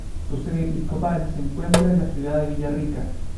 Su sede episcopal se encuentra en la ciudad de Villarrica.